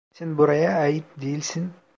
Sen buraya ait değilsin.